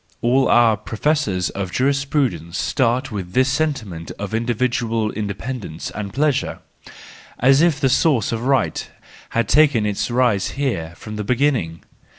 All our pro¬ fessors of jurisprudence start with this sentiment of individual independence and pleasure, as if the source of right had taken its rise here from the beginning.